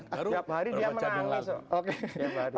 baru berbaca bingung langsung